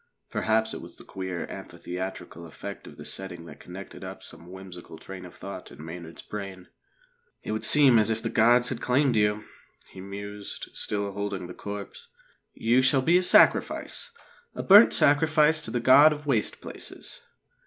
Perhaps it was the queer amphitheatrical effect of this setting that connected up some whimsical train of thought in Maynard's brain. "It would seem as if the gods had claimed you," he mused, still holding the corpse. "You shall be a sacrifice a burnt sacrifice to the God of Waste Places."